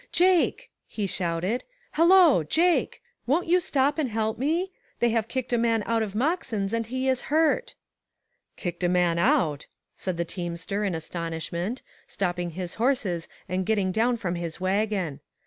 " Jake I " he shouted ;" hello, Jake ! won't you stop and help me? They have kicked a m,an out of Moxen's, and he is hurt." " Kicked a man out !" said the teamster in astonishment, stopping his horses and getting down from his wagon.